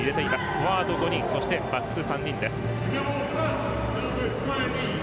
フォワード５人バックス３人です。